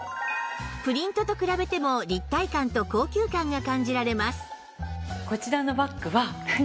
プリントと比べても立体感と高級感が感じられます